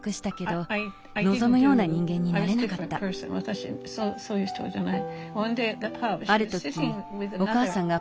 私そういう人じゃない。